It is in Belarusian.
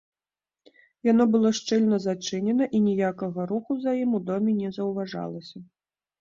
Яно было шчыльна зачынена, і ніякага руху за ім у доме не заўважалася.